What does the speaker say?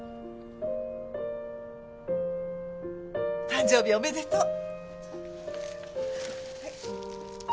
誕生日おめでとう。